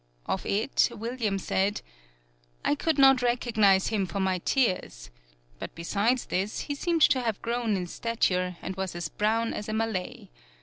Of it William said: "I could not recognize him for my tears but beside this he seemed to have grown in stature and was as brown as a Malay.